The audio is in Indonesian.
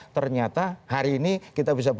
ternyata hari ini kita bisa